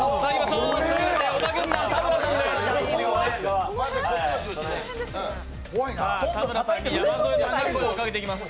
小田軍団、田村さんです。